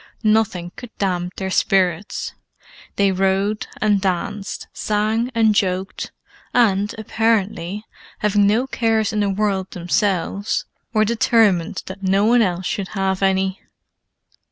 Nothing could damp their spirits: they rode and danced, sang and joked, and, apparently, having no cares in the world themselves, were determined that no one else should have any.